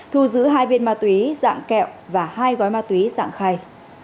thu giữ hai viên ma túy dạng kẹo và hai gói ma túy dạng khay